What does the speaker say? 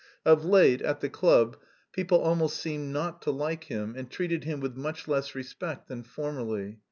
(Of late, at the club, people almost seemed not to like him, and treated him with much less respect than formerly.)